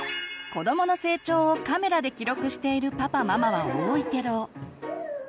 子どもの成長をカメラで記録しているパパママは多いけど。